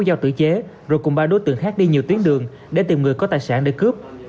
giao tự chế rồi cùng ba đối tượng khác đi nhiều tuyến đường để tìm người có tài sản để cướp